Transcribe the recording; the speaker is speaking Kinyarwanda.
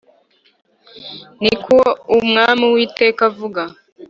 Ni ko Umwami Uwiteka avuga